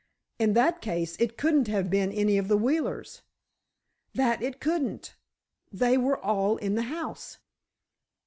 In that case, it couldn't have been any of the Wheelers." "That it couldn't. They were all in the house."